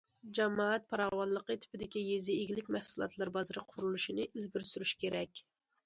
جامائەت پاراۋانلىقى تىپىدىكى يېزا ئىگىلىك مەھسۇلاتلىرى بازىرى قۇرۇلۇشىنى ئىلگىرى سۈرۈش كېرەك.